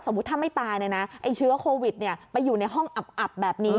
สมมติถ้าไม่ตายนะคะไอ้เชื้อโควิดไปอยู่ในห้องอัพแบบนี้